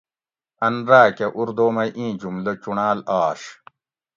ان راۤکہ اُردو مئ اِیں جملہ چُنڑال آش